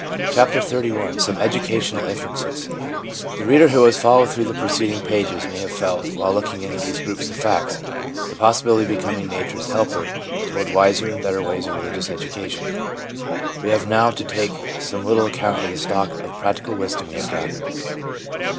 CHAPTER XXXI SOME EDUCATIONAL INFERENCES The reader who has followed through the preceding pages, may have felt, while looking into these groups of facts, the possibility of becoming nature's helper toward wiser and better ways of religious education. We have now to take some little account of the stock of practical wisdom we have gathered.